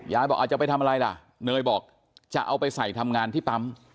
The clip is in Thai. บอกอาจจะไปทำอะไรล่ะเนยบอกจะเอาไปใส่ทำงานที่ปั๊ม